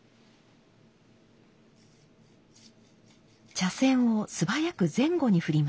茶筅を素早く前後に振ります。